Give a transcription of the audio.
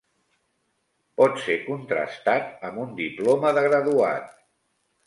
Pot ser contrastat amb un diploma de graduat.